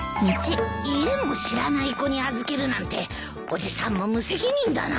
家も知らない子に預けるなんておじさんも無責任だな。